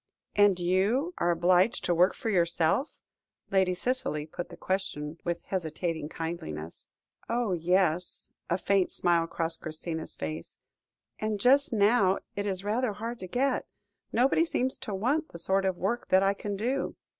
"And you are obliged to work for yourself?" Lady Cicely put the question with hesitating kindliness. "Oh, yes" a faint smile crossed Christina's face "and just now it is rather hard to get. Nobody seems to want the sort of work that I can do.